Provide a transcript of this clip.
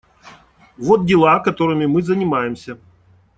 Вот дела, которыми мы занимаемся.